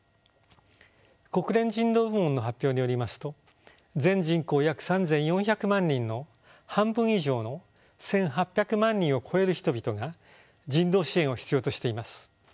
国連人道部門の発表によりますと全人口約３，４００万人の半分以上の１，８００万人を超える人々が人道支援を必要としています。